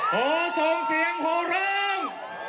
โหส่งเสียงโหล่ง